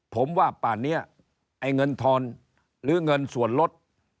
ผมว่าป่านนี้ไอ้เงินทอนหรือเงินส่วนลด